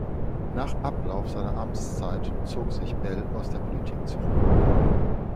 Nach Ablauf seiner Amtszeit zog sich Bell aus der Politik zurück.